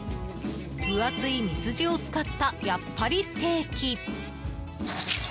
分厚いミスジを使ったやっぱりステーキ。